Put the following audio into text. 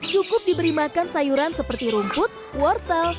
cukup diberi makan sayuran seperti rumput wortel